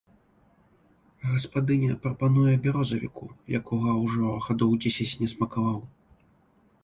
Гаспадыня прапануе бярозавіку, якога ўжо гадоў дзесяць не смакаваў.